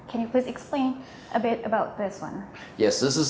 anda memiliki dekorasi di sini bisa anda jelaskan sedikit tentang ini